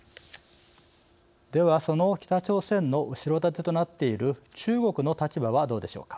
ではその北朝鮮の後ろ盾となっている中国の立場はどうでしょうか。